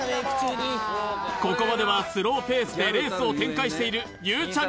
ここまではスローペースでレースを展開しているゆうちゃ